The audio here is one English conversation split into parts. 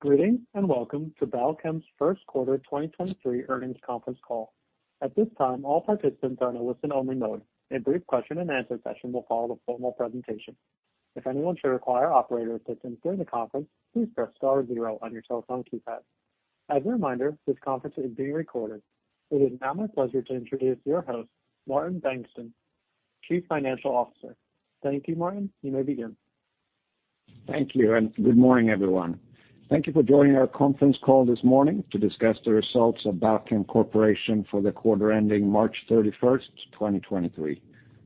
Greetings, welcome to Balchem's first quarter 2023 Earnings Conference Call. At this time, all participants are in a listen-only mode. A brief question-and-answer session will follow the formal presentation. If anyone should require operator assistance during the conference, please press star zero on your telephone keypad. As a reminder, this conference is being recorded. It is now my pleasure to introduce your host, Martin Bengtsson, Chief Financial Officer. Thank you, Martin. You may begin. Thank you, good morning, everyone. Thank you for joining our Conference Call this morning to discuss the results of Balchem Corporation for the quarter ending March 31st, 2023.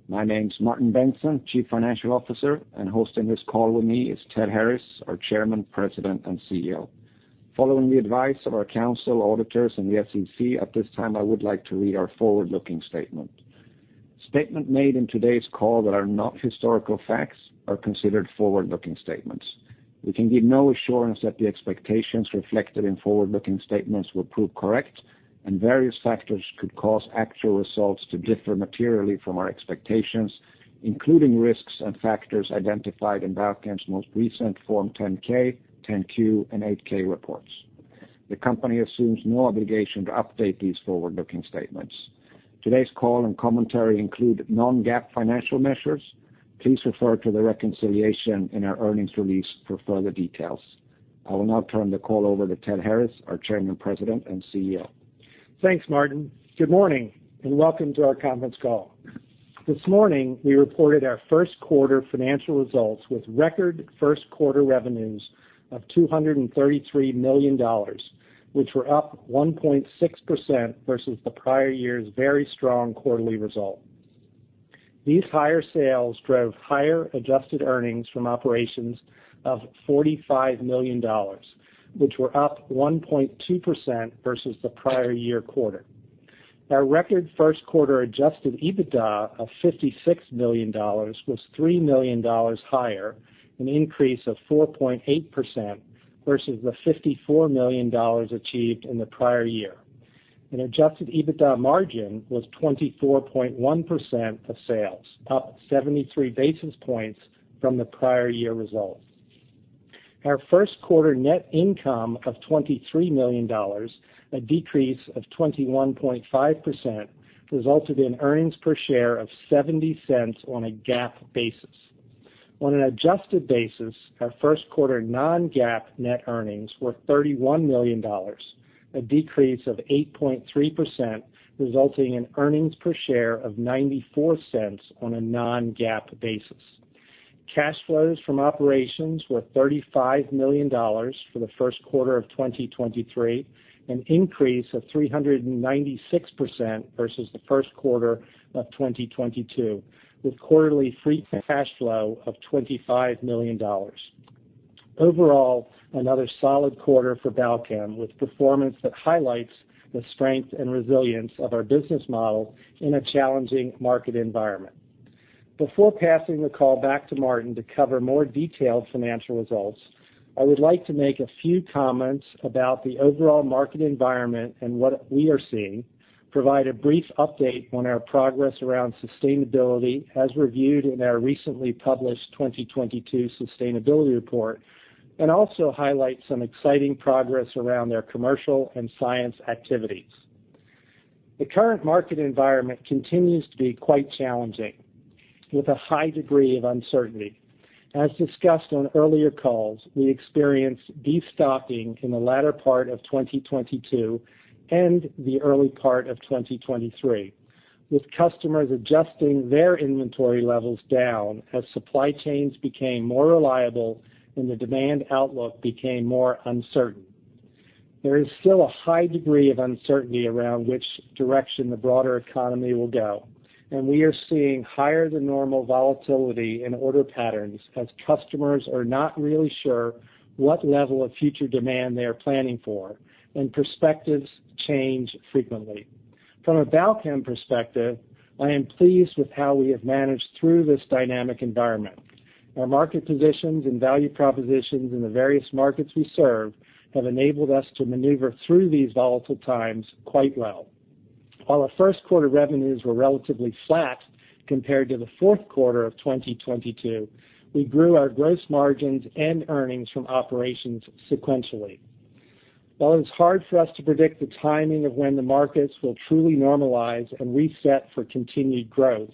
My name's Martin Bengtsson, Chief Financial Officer, and hosting this call with me is Ted Harris, our Chairman, President, and CEO. Following the advice of our council, auditors, and the SEC, at this time I would like to read our forward-looking statement. Statement made in today's call that are not historical facts are considered forward-looking statements. We can give no assurance that the expectations reflected in forward-looking statements will prove correct, and various factors could cause actual results to differ materially from our expectations, including risks and factors identified in Balchem's most recent form 10-K, 10-Q, and 8-K reports. The company assumes no obligation to update these forward-looking statements. Today's call and commentary include non-GAAP financial measures. Please refer to the reconciliation in our earnings release for further details. I will now turn the call over to Ted Harris, our Chairman, President, and CEO. Thanks, Martin. Good morning, welcome to our conference call. This morning, we reported our first quarter financial results with record first quarter revenues of $233 million, which were up 1.6% versus the prior year's very strong quarterly result. These higher sales drove higher adjusted earnings from operations of $45 million, which were up 1.2% versus the prior year quarter. Our record first quarter adjusted EBITDA of $56 million was $3 million higher, an increase of 4.8% versus the $54 million achieved in the prior year. An adjusted EBITDA margin was 24.1% of sales, up 73 basis points from the prior year results. Our first quarter net income of $23 million, a decrease of 21.5%, resulted in earnings per share of $0.70 on a GAAP basis. On an adjusted basis, our first quarter non-GAAP net earnings were $31 million, a decrease of 8.3%, resulting in earnings per share of $0.94 on a non-GAAP basis. Cash flows from operations were $35 million for the first quarter of 2023, an increase of 396% versus the first quarter of 2022, with quarterly free cash flow of $25 million. Overall, another solid quarter for Balchem, with performance that highlights the strength and resilience of our business model in a challenging market environment. Before passing the call back to Martin to cover more detailed financial results, I would like to make a few comments about the overall market environment and what we are seeing, provide a brief update on our progress around sustainability as reviewed in our recently published 2022 sustainability report, Also highlight some exciting progress around their commercial and science activities. The current market environment continues to be quite challenging, with a high degree of uncertainty. As discussed on earlier calls, we experienced destocking in the latter part of 2022 and the early part of 2023, with customers adjusting their inventory levels down as supply chains became more reliable and the demand outlook became more uncertain. There is still a high degree of uncertainty around which direction the broader economy will go, and we are seeing higher than normal volatility in order patterns as customers are not really sure what level of future demand they are planning for, and perspectives change frequently. From a Balchem perspective, I am pleased with how we have managed through this dynamic environment. Our market positions and value propositions in the various markets we serve have enabled us to maneuver through these volatile times quite well. While our first quarter revenues were relatively flat compared to the fourth quarter of 2022, we grew our gross margins and earnings from operations sequentially. While it's hard for us to predict the timing of when the markets will truly normalize and reset for continued growth,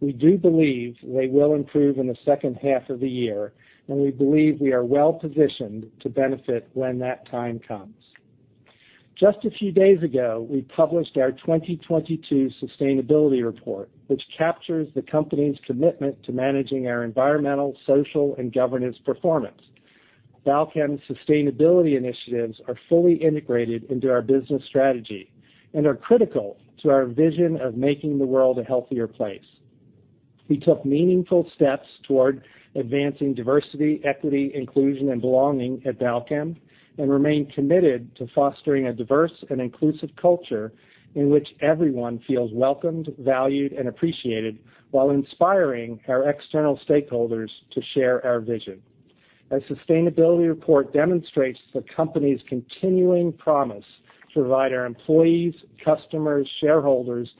we do believe they will improve in the second half of the year, and we believe we are well-positioned to benefit when that time comes. Just a few days ago, we published our 2022 sustainability report, which captures the company's commitment to managing our environmental, social, and governance performance. Balchem's sustainability initiatives are fully integrated into our business strategy and are critical to our vision of making the world a healthier place. We took meaningful steps toward advancing diversity, equity, inclusion, and belonging at Balchem and remain committed to fostering a diverse and inclusive culture in which everyone feels welcomed, valued, and appreciated while inspiring our external stakeholders to share our vision. Our sustainability report demonstrates the company's continuing promise to provide our employees, customers, shareholders.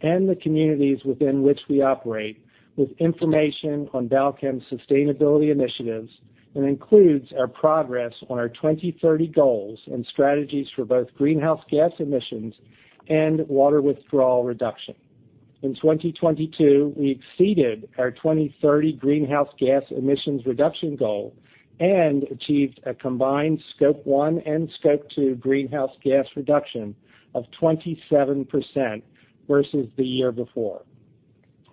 The communities within which we operate with information on Balchem sustainability initiatives and includes our progress on our 2030 goals and strategies for both greenhouse gas emissions and water withdrawal reduction. In 2022, we exceeded our 2030 greenhouse gas emissions reduction goal and achieved a combined Scope one and Scope two greenhouse gas reduction of 27% versus the year before.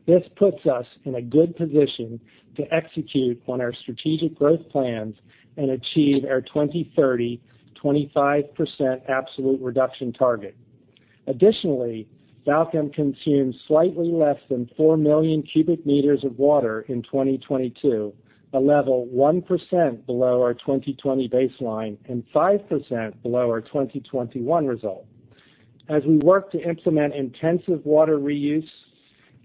This puts us in a good position to execute on our strategic growth plans and achieve our 2030, 25% absolute reduction target. Additionally, Balchem consumed slightly less than 4 million cubic meters of water in 2022, a level 1% below our 2020 baseline and 5% below our 2021 result. As we work to implement intensive water reuse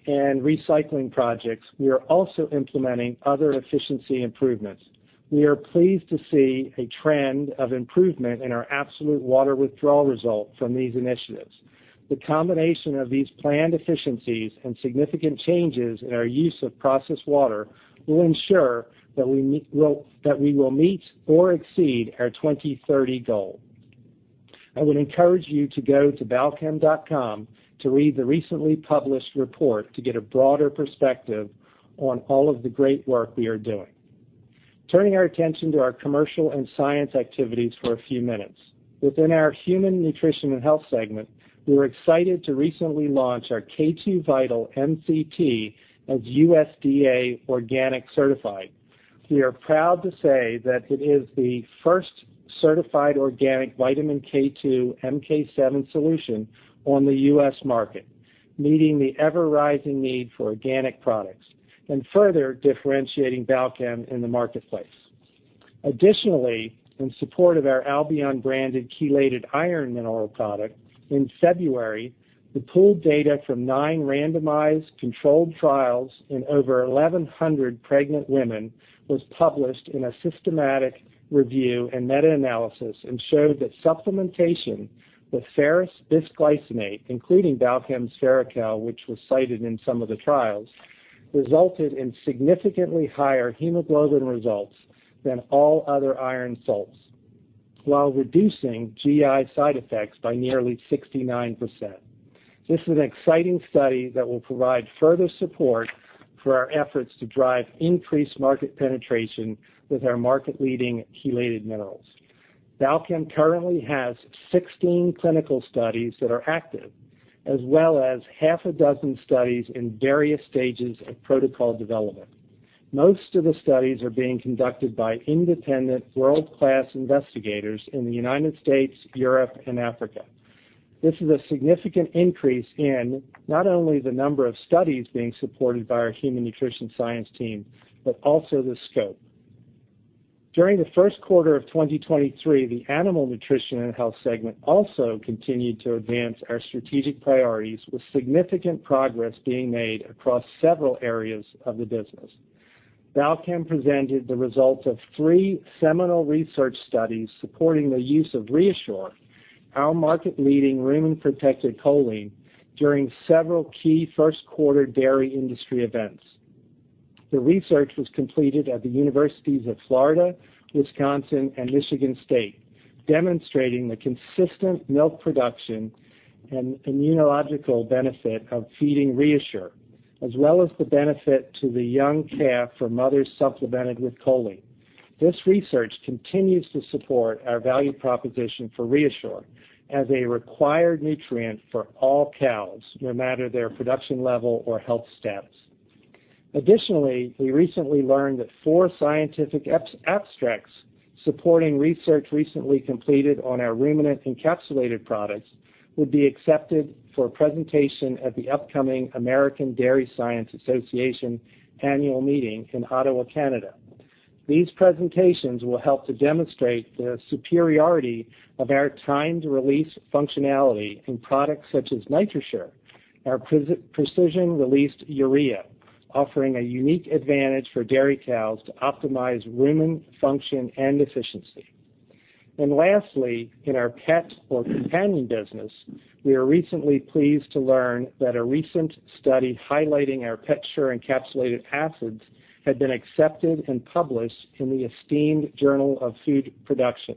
and recycling projects, we are also implementing other efficiency improvements. We are pleased to see a trend of improvement in our absolute water withdrawal result from these initiatives. The combination of these planned efficiencies and significant changes in our use of processed water will ensure that we will meet or exceed our 2030 goal. I would encourage you to go to balchem.com to read the recently published report to get a broader perspective on all of the great work we are doing. Turning our attention to our commercial and science activities for a few minutes. Within our human nutrition and health segment, we were excited to recently launch our K2VITAL MCT as USDA organic certified. We are proud to say that it is the first certified organic vitamin K2 MK-7 solution on the U.S. market, meeting the ever-rising need for organic products and further differentiating Balchem in the marketplace. In support of our Albion branded chelated iron mineral product, in February, the pooled data from nine randomized controlled trials in over 1,100 pregnant women was published in a systematic review and meta-analysis and showed that supplementation with ferrous bisglycinate, including Balchem's Ferrochel, which was cited in some of the trials, resulted in significantly higher hemoglobin results than all other iron salts while reducing GI side effects by nearly 69%. This is an exciting study that will provide further support for our efforts to drive increased market penetration with our market-leading chelated minerals. Balchem currently has 16 clinical studies that are active, as well as six studies in various stages of protocol development. Most of the studies are being conducted by independent world-class investigators in the United States, Europe, and Africa. This is a significant increase in not only the number of studies being supported by our human nutrition science team, but also the scope. During the first quarter of 2023, the animal nutrition and health segment also continued to advance our strategic priorities, with significant progress being made across several areas of the business. Balchem presented the results of three seminal research studies supporting the use of ReaShure, our market-leading rumen-protected choline during several key first quarter dairy industry events. The research was completed at the Universities of Florida, Wisconsin, and Michigan State, demonstrating the consistent milk production and immunological benefit of feeding ReaShure, as well as the benefit to the young calf for mothers supplemented with choline. This research continues to support our value proposition for ReaShure as a required nutrient for all cows, no matter their production level or health status. We recently learned that four scientific ex-abstracts supporting research recently completed on our ruminant encapsulated products would be accepted for presentation at the upcoming American Dairy Science Association annual meeting in Ottawa, Canada. These presentations will help to demonstrate the superiority of our timed-release functionality in products such as NitroShure, our precision-released urea, offering a unique advantage for dairy cows to optimize rumen function and efficiency. Lastly, in our pet or companion business, we are recently pleased to learn that a recent study highlighting our PetShure encapsulated acids had been accepted and published in the esteemed Journal of Food Protection.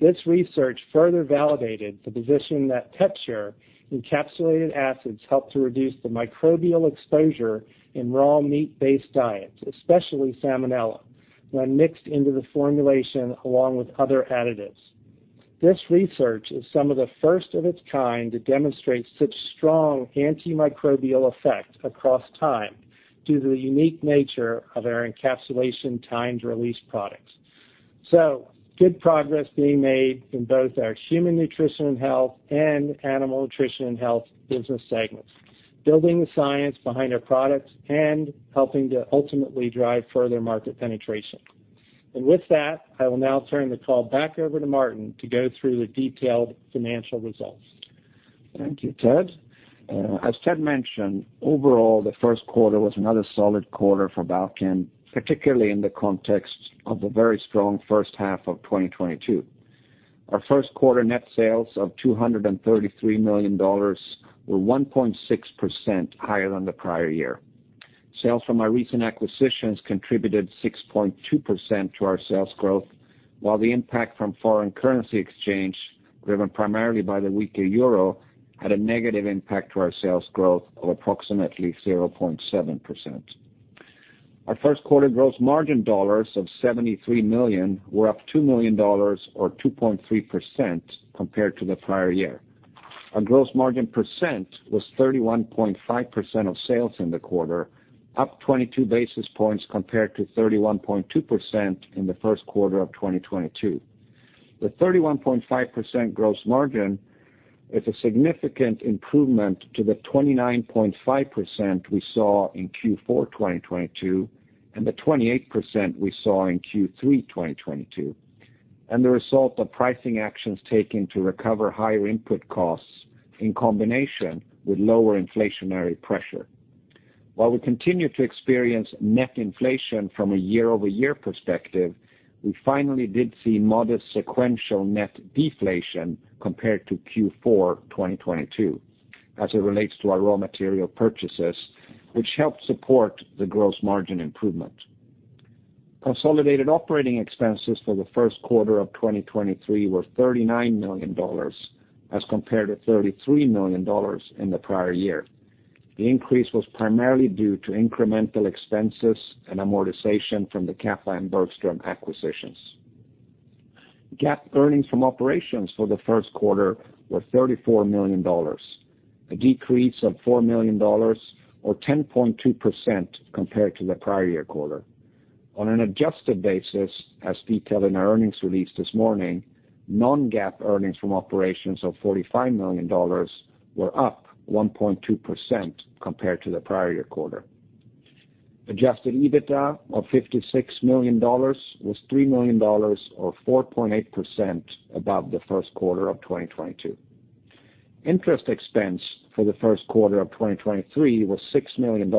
This research further validated the position that PetShure encapsulated acids help to reduce the microbial exposure in raw meat-based diets, especially Salmonella, when mixed into the formulation along with other additives. This research is some of the first of its kind to demonstrate such strong antimicrobial effect across time due to the unique nature of our encapsulation timed-release products. Good progress being made in both our human nutrition and health and animal nutrition and health business segments, building the science behind our products and helping to ultimately drive further market penetration. With that, I will now turn the call back over to Martin to go through the detailed financial results. Thank you, Ted. As Ted mentioned, overall, the first quarter was another solid quarter for Balchem, particularly in the context of a very strong first half of 2022. Our first quarter net sales of $233 million were 1.6% higher than the prior year. Sales from our recent acquisitions contributed 6.2% to our sales growth, while the impact from foreign currency exchange, driven primarily by the weaker euro, had a negative impact to our sales growth of approximately 0.7%. Our first quarter gross margin dollars of $73 million were up $2 million or 2.3% compared to the prior year. Our gross margin percent was 31.5% of sales in the quarter, up 22 basis points compared to 31.2% in the first quarter of 2022. The 31.5% gross margin is a significant improvement to the 29.5% we saw in Q4 2022 and the 28% we saw in Q3 2022, the result of pricing actions taken to recover higher input costs in combination with lower inflationary pressure. While we continue to experience net inflation from a year-over-year perspective, we finally did see modest sequential net deflation compared to Q4 2022 as it relates to our raw material purchases, which helped support the gross margin improvement. Consolidated operating expenses for the first quarter of 2023 were $39 million as compared to $33 million in the prior year. The increase was primarily due to incremental expenses and amortization from the Kappa Bergstrom acquisitions. GAAP earnings from operations for the first quarter were $34 million, a decrease of $4 million or 10.2% compared to the prior year quarter. On an adjusted basis, as detailed in our earnings release this morning, non-GAAP earnings from operations of $45 million were up 1.2% compared to the prior year quarter. Adjusted EBITDA of $56 million was $3 million or 4.8% above the first quarter of 2022. Interest expense for the first quarter of 2023 was $6 million,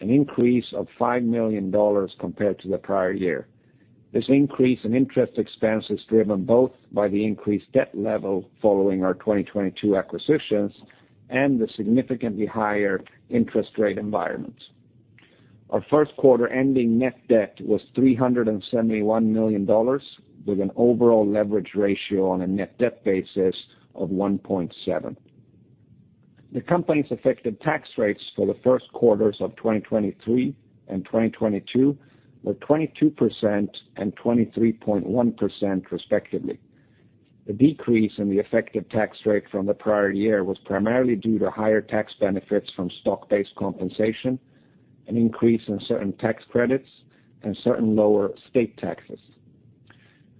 an increase of $5 million compared to the prior year. This increase in interest expense is driven both by the increased debt level following our 2022 acquisitions and the significantly higher interest rate environment. Our first quarter ending net debt was $371 million, with an overall leverage ratio on a net debt basis of 1.7. The company's effective tax rates for the first quarters of 2023 and 2022 were 22% and 23.1% respectively. The decrease in the effective tax rate from the prior year was primarily due to higher tax benefits from stock-based compensation, an increase in certain tax credits, and certain lower state taxes.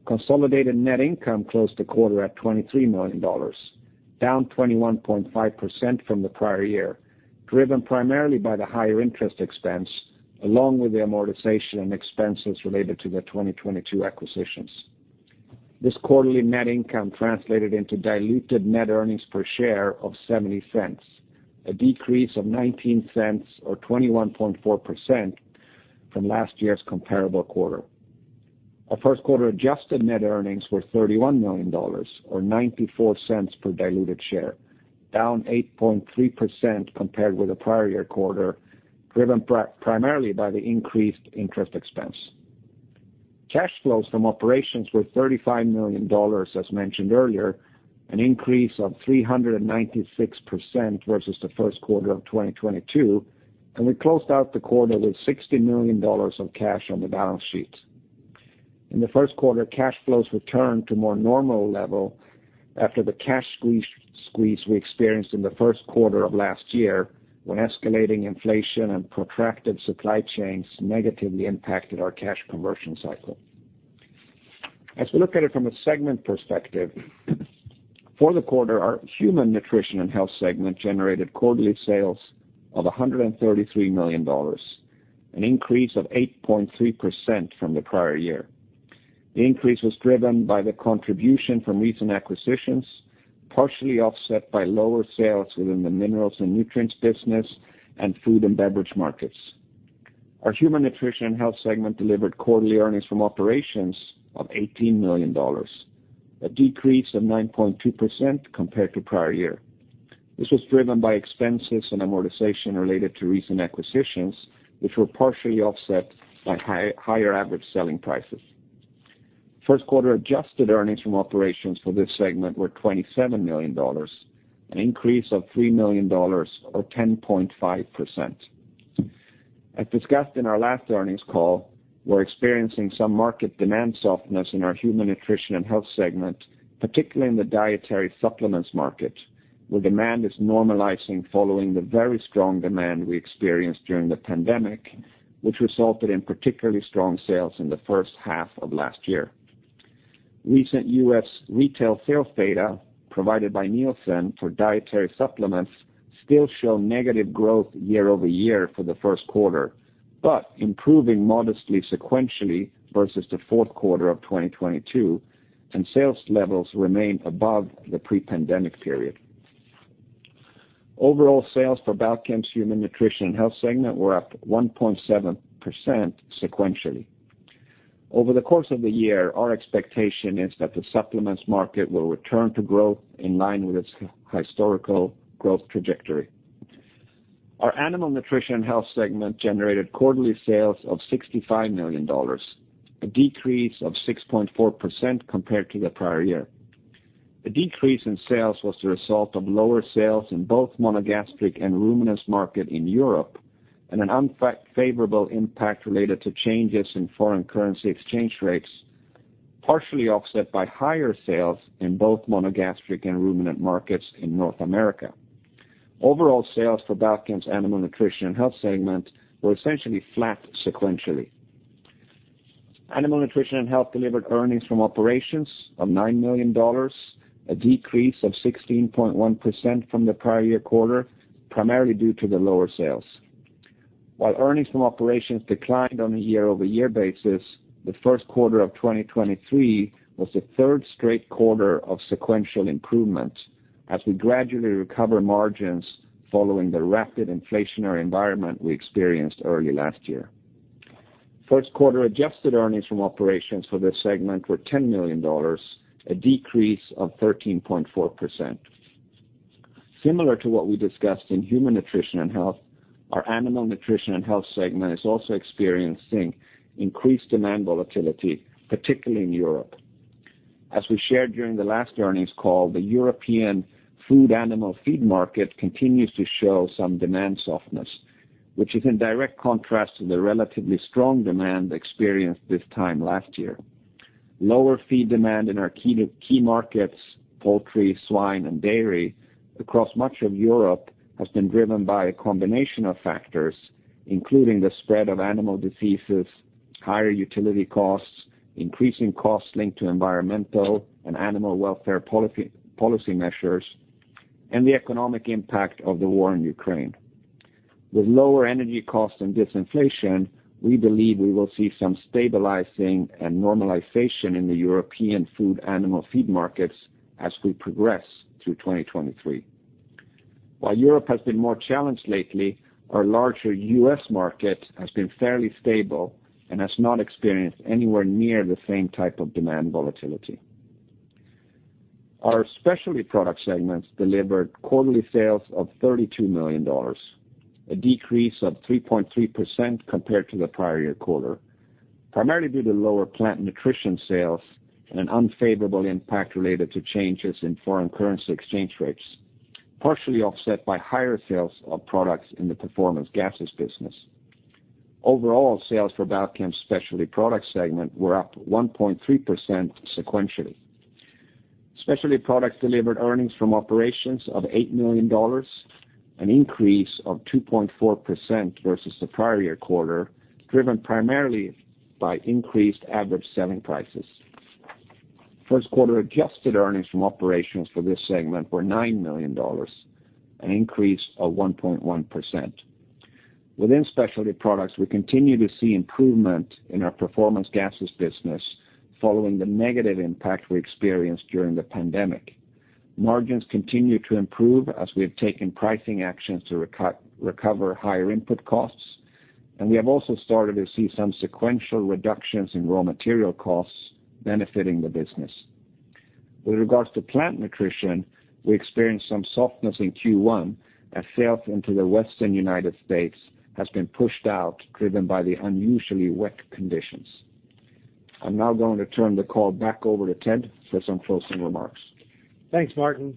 Consolidated net income closed the quarter at $23 million, down 21.5% from the prior year, driven primarily by the higher interest expense along with the amortization and expenses related to the 2022 acquisitions. This quarterly net income translated into diluted net earnings per share of $0.70, a decrease of $0.19 or 21.4% from last year's comparable quarter. Our first quarter adjusted net earnings were $31 million or $0.94 per diluted share, down 8.3% compared with the prior year quarter, driven primarily by the increased interest expense. Cash flows from operations were $35 million, as mentioned earlier, an increase of 396% versus the first quarter of 2022. We closed out the quarter with $60 million of cash on the balance sheet. In the first quarter, cash flows returned to more normal level after the cash squeeze we experienced in the first quarter of last year, when escalating inflation and protracted supply chains negatively impacted our cash conversion cycle. We look at it from a segment perspective, for the quarter, our Human Nutrition and Health segment generated quarterly sales of $133 million, an increase of 8.3% from the prior year. The increase was driven by the contribution from recent acquisitions, partially offset by lower sales within the minerals and nutrients business and food and beverage markets. Our Human Nutrition and Health segment delivered quarterly earnings from operations of $18 million, a decrease of 9.2% compared to prior year. This was driven by expenses and amortization related to recent acquisitions, which were partially offset by higher average selling prices. First quarter adjusted earnings from operations for this segment were $27 million, an increase of $3 million or 10.5%. As discussed in our last earnings call, we're experiencing some market demand softness in our Human Nutrition and Health segment, particularly in the dietary supplements market, where demand is normalizing following the very strong demand we experienced during the pandemic, which resulted in particularly strong sales in the first half of last year. Recent U.S. retail sales data provided by NielsenIQ for dietary supplements still show negative growth year-over-year for the first quarter, but improving modestly sequentially versus the fourth quarter of 2022, and sales levels remain above the pre-pandemic period. Overall sales for Balchem's Human Nutrition and Health segment were up 1.7% sequentially. Over the course of the year, our expectation is that the supplements market will return to growth in line with its historical growth trajectory. Our Animal Nutrition and Health segment generated quarterly sales of $65 million, a decrease of 6.4% compared to the prior year. The decrease in sales was the result of lower sales in both monogastric and ruminants market in Europe and an unfavorable impact related to changes in foreign currency exchange rates, partially offset by higher sales in both monogastric and ruminant markets in North America. Overall sales for Balchem's Animal Nutrition and Health segment were essentially flat sequentially. Animal Nutrition and Health delivered earnings from operations of $9 million, a decrease of 16.1% from the prior year quarter, primarily due to the lower sales. While earnings from operations declined on a year-over-year basis, the first quarter of 2023 was the third straight quarter of sequential improvement as we gradually recover margins following the rapid inflationary environment we experienced early last year. First quarter adjusted earnings from operations for this segment were $10 million, a decrease of 13.4%. Similar to what we discussed in Human Nutrition and Health, our Animal Nutrition and Health segment is also experiencing increased demand volatility, particularly in Europe. As we shared during the last earnings call, the European food animal feed market continues to show some demand softness, which is in direct contrast to the relatively strong demand experienced this time last year. Lower feed demand in our key markets, poultry, swine, and dairy across much of Europe has been driven by a combination of factors, including the spread of animal diseases, higher utility costs, increasing costs linked to environmental and animal welfare policy measures, and the economic impact of the war in Ukraine. With lower energy costs and disinflation, we believe we will see some stabilizing and normalization in the European food animal feed markets as we progress through 2023. While Europe has been more challenged lately, our larger US market has been fairly stable and has not experienced anywhere near the same type of demand volatility. Our Specialty Product segments delivered quarterly sales of $32 million, a decrease of 3.3% compared to the prior-year quarter, primarily due to lower plant nutrition sales and an unfavorable impact related to changes in foreign currency exchange rates, partially offset by higher sales of products in the performance gases business. Overall, sales for Balchem's Specialty Product segment were up 1.3% sequentially. Specialty products delivered earnings from operations of $8 million, an increase of 2.4% versus the prior-year quarter, driven primarily by increased average selling prices. First quarter adjusted earnings from operations for this segment were $9 million, an increase of 1.1%. Within specialty products, we continue to see improvement in our performance gases business following the negative impact we experienced during the pandemic. Margins continue to improve as we have taken pricing actions to recover higher input costs, and we have also started to see some sequential reductions in raw material costs benefiting the business. With regards to plant nutrition, we experienced some softness in Q1 as sales into the Western United States has been pushed out, driven by the unusually wet conditions. I'm now going to turn the call back over to Ted for some closing remarks. Thanks, Martin.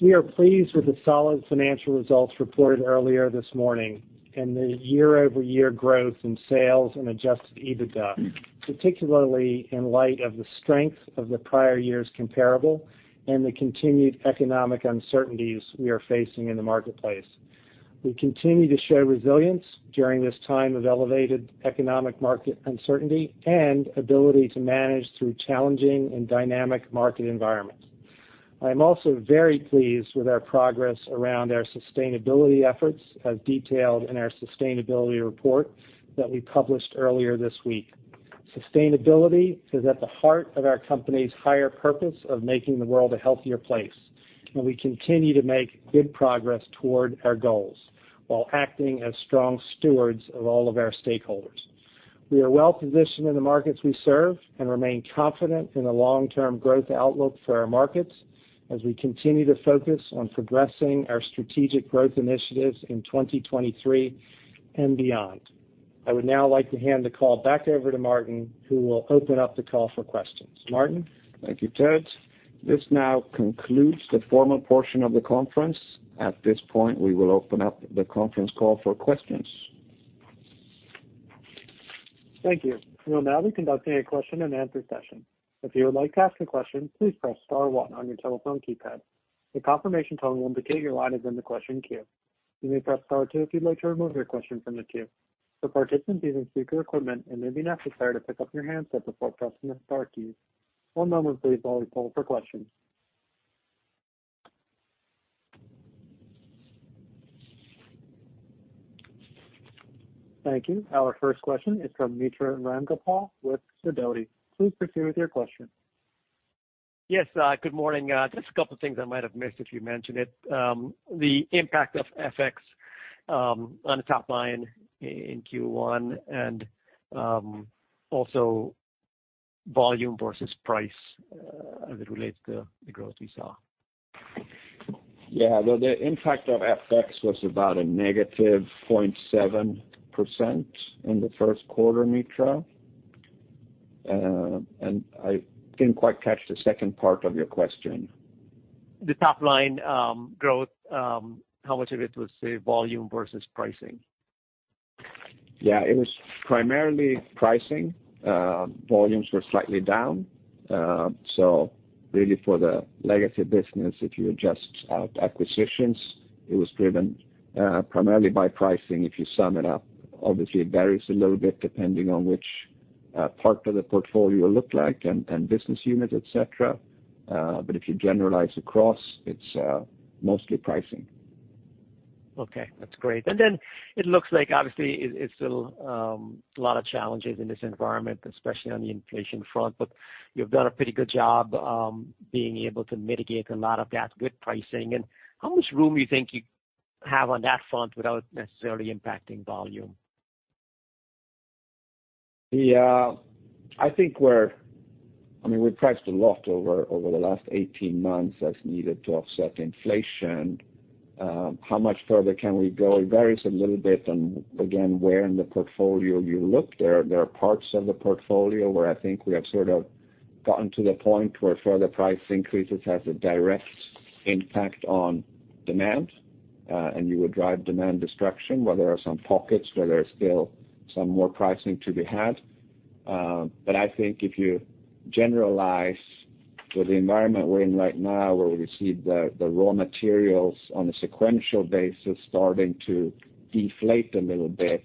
We are pleased with the solid financial results reported earlier this morning and the year-over-year growth in sales and adjusted EBITDA, particularly in light of the strength of the prior year's comparable and the continued economic uncertainties we are facing in the marketplace. We continue to show resilience during this time of elevated economic market uncertainty and ability to manage through challenging and dynamic market environments. I am also very pleased with our progress around our sustainability efforts, as detailed in our sustainability report that we published earlier this week. Sustainability is at the heart of our company's higher purpose of making the world a healthier place, and we continue to make good progress toward our goals while acting as strong stewards of all of our stakeholders. We are well-positioned in the markets we serve and remain confident in the long-term growth outlook for our markets as we continue to focus on progressing our strategic growth initiatives in 2023 and beyond. I would now like to hand the call back over to Martin, who will open up the call for questions. Martin? Thank you, Ted. This now concludes the formal portion of the conference. At this point, we will open up the conference call for questions. Thank you. We will now be conducting a question and answer session. If you would like to ask a question, please press star one on your telephone keypad. The confirmation tone will indicate your line is in the question queue. You may press star two if you'd like to remove your question from the queue. For participants using speaker equipment, it may be necessary to pick up your handset before pressing the star keys. One moment please while we poll for questions. Thank you. Our first question is from Mitra Ramgopal with Sidoti. Please proceed with your question. Yes, good morning. Just a couple things I might have missed if you mentioned it. The impact of FX on the top line in Q1 and also volume versus price as it relates to the growth we saw. Yeah. Well, the impact of FX was about a negative 0.7% in the first quarter, Mitra. I didn't quite catch the second part of your question. The top line, growth, how much of it was, say, volume versus pricing? Yeah, it was primarily pricing. Volumes were slightly down. Really for the legacy business, if you adjust out acquisitions, it was driven, primarily by pricing if you sum it up. Obviously, it varies a little bit depending on which, part of the portfolio it looked like and business unit, et cetera. But if you generalize across, it's mostly pricing. Okay, that's great. It looks like obviously it's still a lot of challenges in this environment, especially on the inflation front, but you've done a pretty good job being able to mitigate a lot of that with pricing. How much room you think you have on that front without necessarily impacting volume? I mean, we priced a lot over the last 18 months as needed to offset inflation. How much further can we go? It varies a little bit on, again, where in the portfolio you look. There are parts of the portfolio where I think we have sort of gotten to the point where further price increases has a direct impact on demand, and you would drive demand destruction, where there are some pockets where there's still some more pricing to be had. I think if you generalize to the environment we're in right now, where we see the raw materials on a sequential basis starting to deflate a little bit,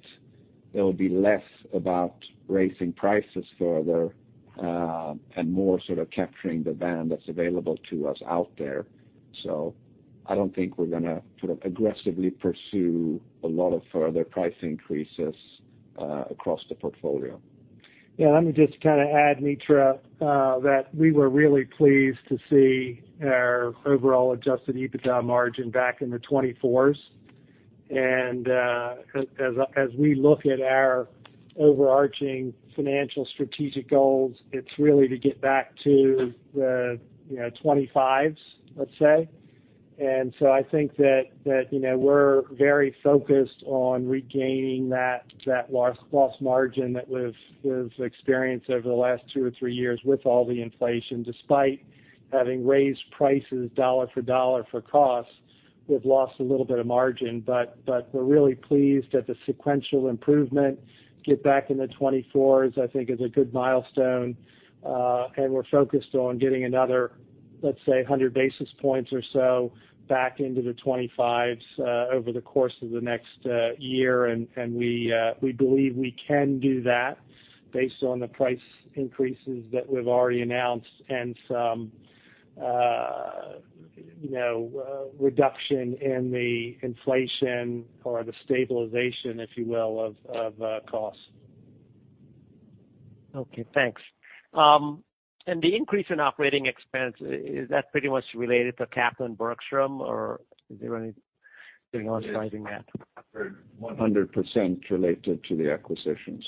it'll be less about raising prices further, and more sort of capturing the band that's available to us out there. I don't think we're gonna sort of aggressively pursue a lot of further price increases across the portfolio. Yeah, let me just kind of add, Mitra, that we were really pleased to see our overall adjusted EBITDA margin back in the 24%. As we look at our overarching financial strategic goals, it's really to get back to the, you know, 25%, let's say. So I think that, you know, we're very focused on regaining that lost margin that we've experienced over the last two or three years with all the inflation. Despite having raised prices $ for $ for costs, we've lost a little bit of margin. We're really pleased at the sequential improvement. Get back in the 24%, I think is a good milestone, and we're focused on getting another, let's say, 100 basis points or so back into the 25%, over the course of the next year. We believe we can do that based on the price increases that we've already announced and some, you know, reduction in the inflation or the stabilization, if you will, of costs. Okay, thanks. The increase in operating expense, is that pretty much related to Kappa and Bergstrom, or is there anything else driving that? It is 100% related to the acquisitions.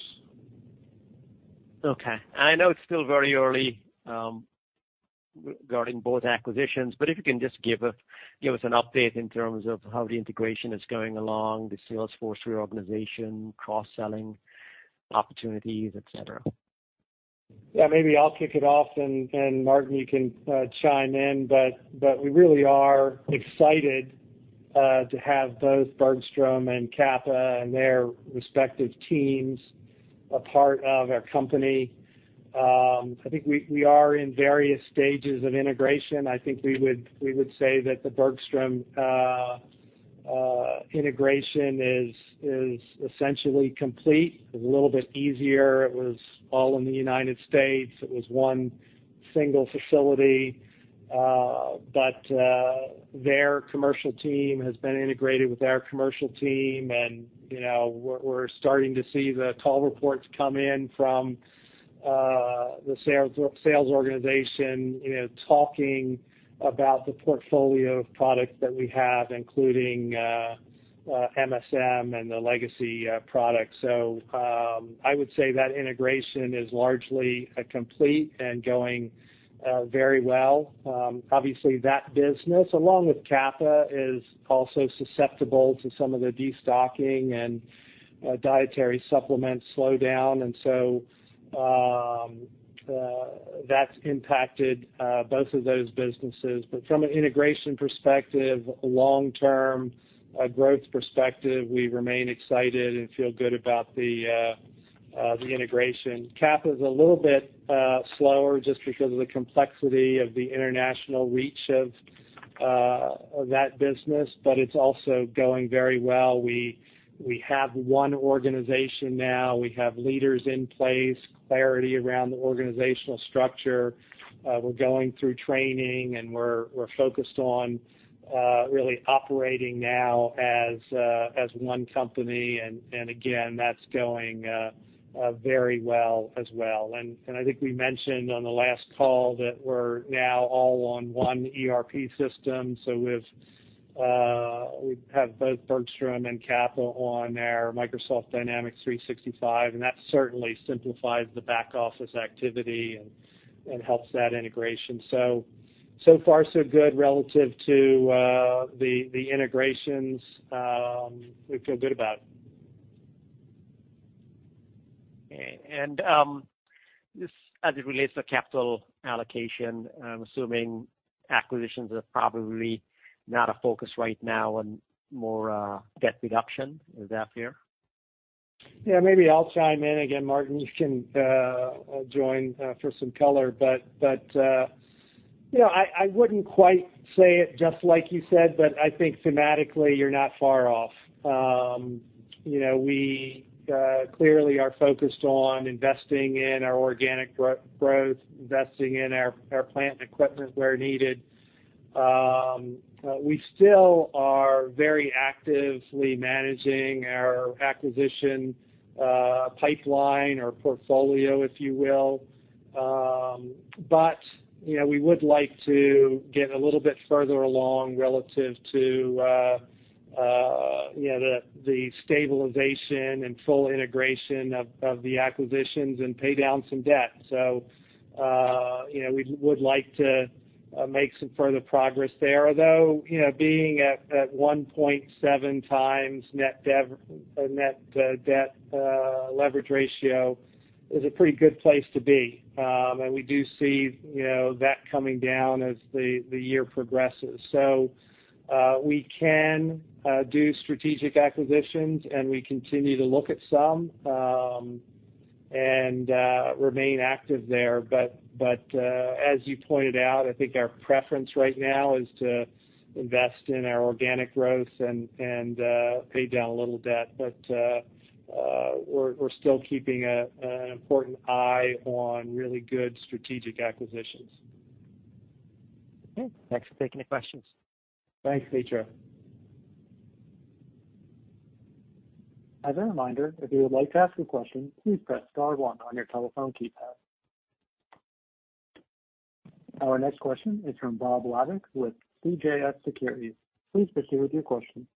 Okay. I know it's still very early, regarding both acquisitions, but if you can just give us an update in terms of how the integration is going along, the sales force reorganization, cross-selling opportunities, et cetera. Yeah, maybe I'll kick it off, and Martin, you can chime in. We really are excited to have both Bergstrom and Kappa and their respective teams a part of our company. I think we are in various stages of integration. I think we would say that the Bergstrom integration is essentially complete. It was a little bit easier. It was all in the United States. It was one single facility. Their commercial team has been integrated with our commercial team and, you know, we're starting to see the call reports come in from the sales organization, you know, talking about the portfolio of products that we have, including MSM and the legacy products. I would say that integration is largely complete and going very well. Obviously that business, along with Kappa, is also susceptible to some of the destocking and dietary supplements slow down. That's impacted both of those businesses. From an integration perspective, long-term growth perspective, we remain excited and feel good about the integration. Kappa's a little bit slower just because of the complexity of the international reach of that business, but it's also going very well. We have one organization now. We have leaders in place, clarity around the organizational structure. We're going through training, and we're focused on really operating now as one company. Again, that's going very well as well. I think we mentioned on the last call that we're now all on one ERP system. We have both Bergstrom and Kappa on our Microsoft Dynamics 365, and that certainly simplifies the back-office activity and helps that integration. So far so good relative to the integrations, we feel good about. Just as it relates to capital allocation, I'm assuming acquisitions are probably not a focus right now and more, debt reduction. Is that fair? Yeah. Maybe I'll chime in again, Martin. You can join for some color. You know, I wouldn't quite say it just like you said, but I think thematically you're not far off. You know, we clearly are focused on investing in our organic growth, investing in our plant and equipment where needed. We still are very actively managing our acquisition pipeline or portfolio, if you will. You know, we would like to get a little bit further along relative to, you know, the stabilization and full integration of the acquisitions and pay down some debt. You know, we would like to make some further progress there. Although, you know, being at 1.7 times net debt leverage ratio is a pretty good place to be. We do see, you know, that coming down as the year progresses. We can do strategic acquisitions, and we continue to look at some and remain active there. As you pointed out, I think our preference right now is to invest in our organic growth and pay down a little debt. We're still keeping an important eye on really good strategic acquisitions. Okay. Thanks for taking the questions. Thanks, Mitra. As a reminder, if you would like to ask a question, please press star one on your telephone keypad. Our next question is from Bob Labick with CJS Securities. Please proceed with your question.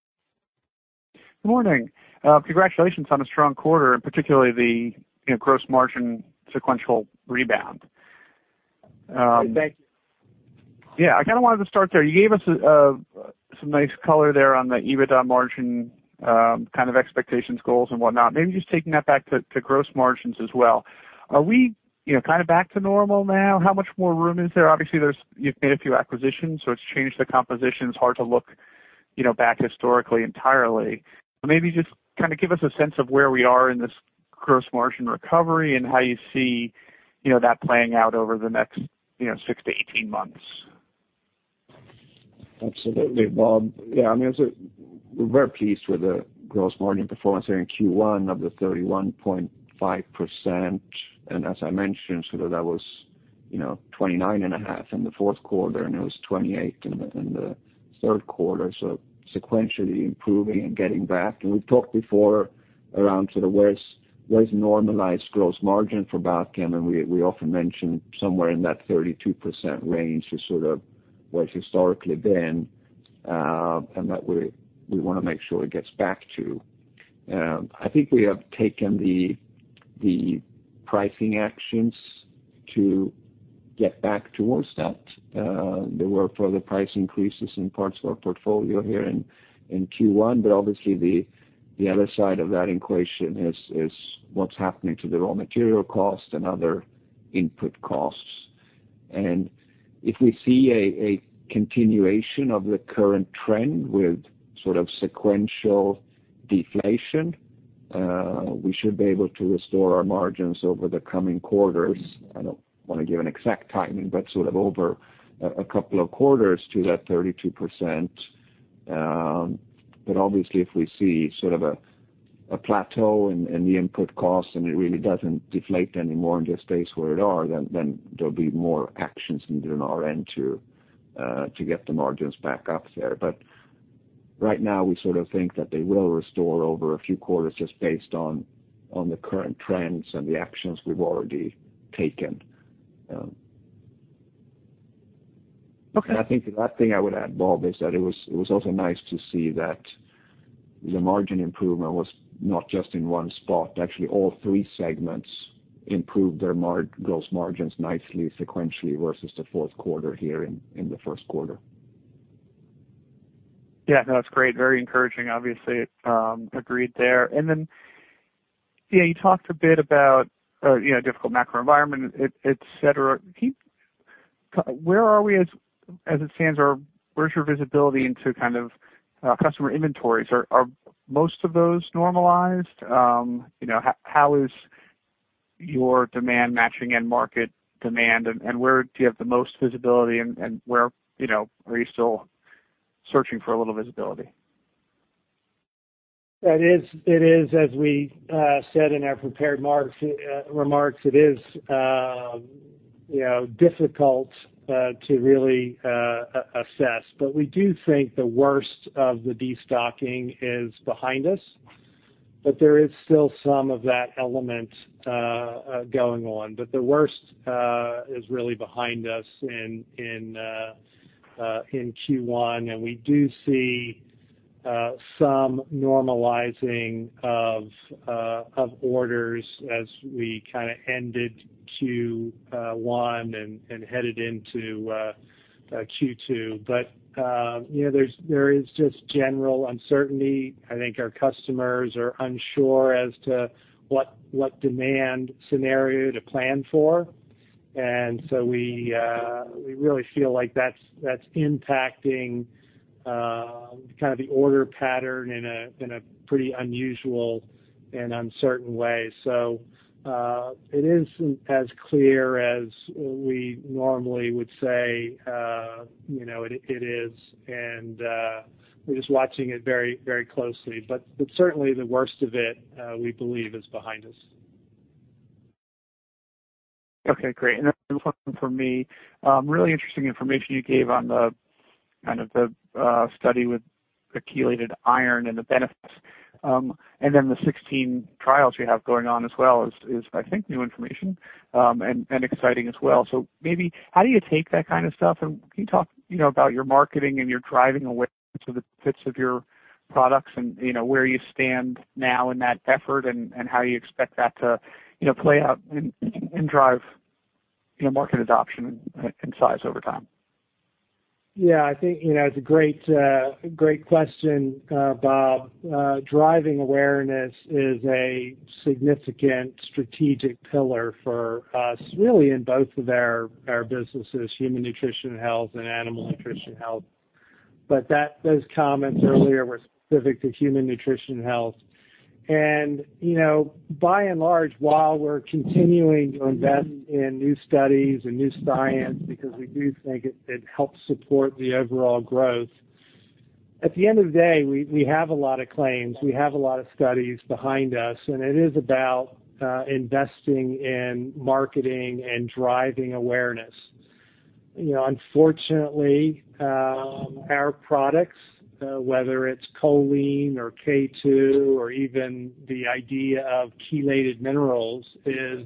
Good morning. Congratulations on a strong quarter, particularly the, you know, gross margin sequential rebound. Great. Thank you. I kinda wanted to start there. You gave us some nice color there on the EBITDA margin, kind of expectations, goals and whatnot. Maybe just taking that back to gross margins as well. Are we, you know, kinda back to normal now? How much more room is there? Obviously, you've made a few acquisitions, so it's changed the composition. It's hard to look, you know, back historically entirely. Maybe just kinda give us a sense of where we are in this gross margin recovery and how you see, you know, that playing out over the next, you know, 6-18 months. Absolutely, Bob Labick. Yeah, I mean, we're very pleased with the gross margin performance here in Q1 of the 31.5%. As I mentioned, sort of that was, you know, 29.5% in the fourth quarter, and it was 28% in the third quarter. Sequentially improving and getting back. We've talked before around sort of where's normalized gross margin for Balchem, and we often mention somewhere in that 32% range is sort of where it's historically been, and that we wanna make sure it gets back to. I think we have taken the pricing actions to get back towards that. There were further price increases in parts of our portfolio here in Q1, but obviously the other side of that equation is what's happening to the raw material cost and other input costs. If we see a continuation of the current trend with sort of sequential deflation, we should be able to restore our margins over the coming quarters. I don't want to give an exact timing, but sort of over a couple of quarters to that 32%. Obviously if we see sort of a plateau in the input costs and it really doesn't deflate anymore and just stays where it are, then there'll be more actions needed on our end to get the margins back up there. Right now we sort of think that they will restore over a few quarters just based on the current trends and the actions we've already taken. Okay. I think the last thing I would add, Bob, is that it was also nice to see that the margin improvement was not just in one spot. Actually, all three segments improved their gross margins nicely sequentially versus the fourth quarter here in the first quarter. Yeah. No, it's great. Very encouraging obviously. Agreed there. Yeah, you talked a bit about, you know, difficult macro environment, etcetera. Where are we as it stands, or where's your visibility into kind of, customer inventories? Are most of those normalized? You know, how is your demand matching end market demand and where do you have the most visibility and where, you know, are you still searching for a little visibility? It is. As we said in our prepared remarks, it is, you know, difficult to really assess. We do think the worst of the destocking is behind us, but there is still some of that element going on. The worst is really behind us in Q1. We do see some normalizing of orders as we kinda ended Q1 and headed into Q2. You know, there is just general uncertainty. I think our customers are unsure as to what demand scenario to plan for. We really feel like that's impacting kind of the order pattern in a pretty unusual and uncertain way. It isn't as clear as we normally would say, you know, it is. We're just watching it very, very closely. Certainly the worst of it, we believe is behind us. Okay, great. One for me. Really interesting information you gave on the kind of the study with the chelated iron and the benefits. The 16 trials you have going on as well is I think new information and exciting as well. Maybe how do you take that kind of stuff? Can you talk, you know, about your marketing and your driving awareness of the fits of your products and, you know, where you stand now in that effort and how you expect that to, you know, play out and drive, you know, market adoption and size over time? Yeah, I think, you know, it's a great question, Bob. Driving awareness is a significant strategic pillar for us, really in both of our businesses, human nutrition and health and animal nutrition and health. Those comments earlier were specific to human nutrition and health. You know, by and large, while we're continuing to invest in new studies and new science, because we do think it helps support the overall growth. At the end of the day, we have a lot of claims, we have a lot of studies behind us, and it is about investing in marketing and driving awareness. You know, unfortunately, our products, whether it's choline or K2 or even the idea of chelated minerals, is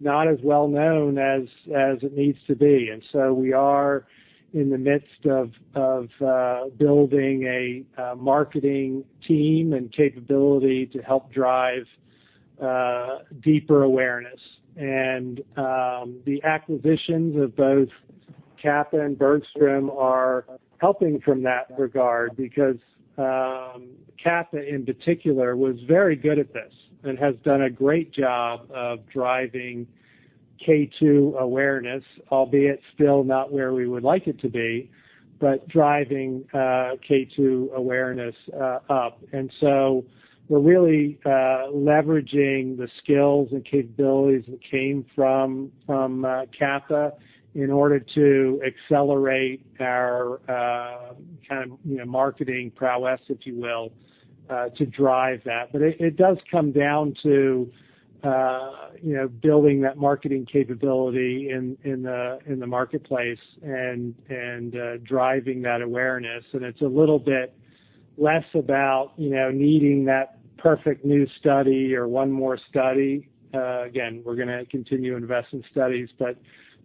not as well known as it needs to be. We are in the midst of building a marketing team and capability to help drive deeper awareness. The acquisitions of both Catha and Bergstrom are helping from that regard because Catha in particular was very good at this and has done a great job of driving K2 awareness, albeit still not where we would like it to be, but driving K2 awareness up. We're really leveraging the skills and capabilities that came from Catha in order to accelerate our kind of, you know, marketing prowess, if you will, to drive that. It does come down to, you know, building that marketing capability in the marketplace and driving that awareness. It's a little bit less about, you know, needing that perfect new study or one more study. Again, we're gonna continue to invest in studies,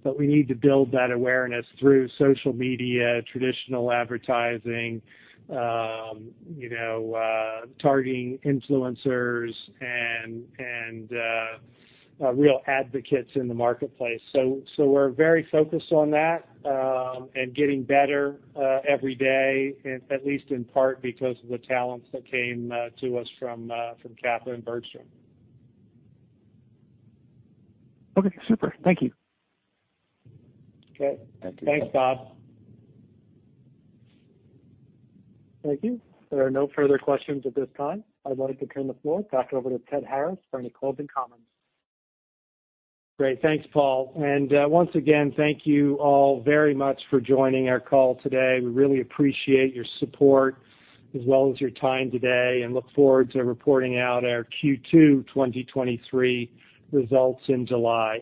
but we need to build that awareness through social media, traditional advertising, you know, targeting influencers and real advocates in the marketplace. We're very focused on that and getting better every day, at least in part because of the talents that came to us from Kappa Bioscience and Bergstrom Nutrition. Okay, super. Thank you. Okay. Thanks, Bob. Thank you. There are no further questions at this time. I'd like to turn the floor back over to Ted Harris for any closing comments. Great. Thanks, Paul. Once again, thank you all very much for joining our call today. We really appreciate your support as well as your time today, and look forward to reporting out our Q2 2023 results in July.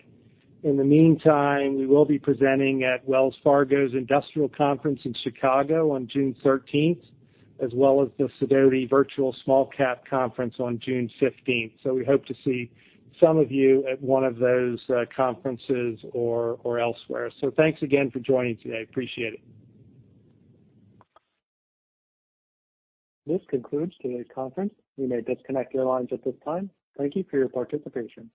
In the meantime, we will be presenting at Wells Fargo's Industrial Conference in Chicago on June 13th, as well as the Sidoti Virtual Small Cap Conference on June 15th. We hope to see some of you at one of those conferences or elsewhere. Thanks again for joining today. Appreciate it. This concludes today's conference. You may disconnect your lines at this time. Thank you for your participation.